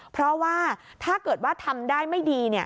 เพราะว่าถ้าเกิดว่าทำได้ไม่ดี